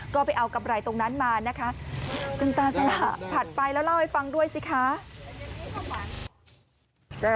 ก็ไปเอากำไรตรงนั้นมานะคะ